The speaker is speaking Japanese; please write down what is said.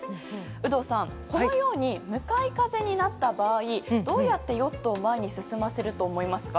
有働さん、このように向かい風になった場合どうやってヨットを前に進ませると思いますか？